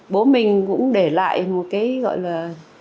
bố mình cũng để lại một cái gọi là